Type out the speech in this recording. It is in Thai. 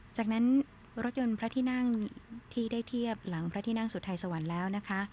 จากนั้นรถยนต์พระที่นั่งที่ได้เทียบหลังพระที่นั่งสุทัยสวรรค์แล้วนะคะ